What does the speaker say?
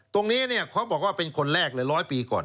ตรงนี้เขาบอกว่าเป็นคนแรกหลายร้อยปีก่อน